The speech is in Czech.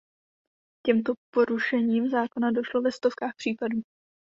K těmto porušením zákona došlo ve stovkách případů.